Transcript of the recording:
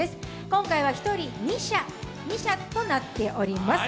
今回は１人２射となっております。